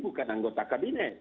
bukan anggota kabinet